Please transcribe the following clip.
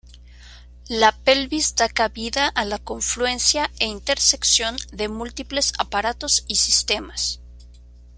La pelvis da cabida a la confluencia e intersección de múltiples aparatos y sistemas.